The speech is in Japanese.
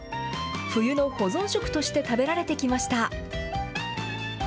冬の保存食として食べられてきました。